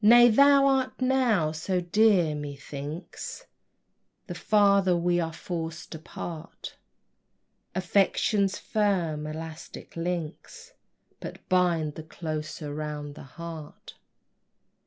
Nay, thou art now so dear, methinks The farther we are forced apart, Affection's firm elastic links But bind the closer round the heart.